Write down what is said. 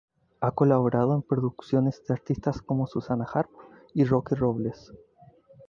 Ha colaborado en producciones de artistas como Susana Harp y Roque Robles.